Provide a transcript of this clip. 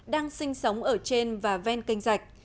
đang sinh sống ở trên và ven canh rạch